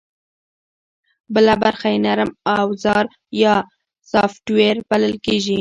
بله برخه یې نرم اوزار یا سافټویر بلل کېږي